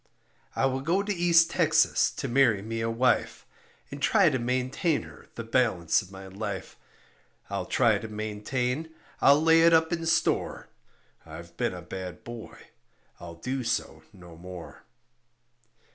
I will go to East Texas to marry me a wife, And try to maintain her the balance of my life; I'll try to maintain; I'll lay it up in store I've been a bad boy, I'll do so no more.